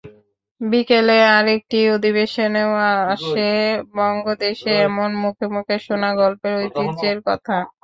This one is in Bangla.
বিকেলে আরেকটি অধিবেশনেও আসে বঙ্গদেশে এমন মুখে মুখে শোনা গল্পের ঐতিহ্যের কথা।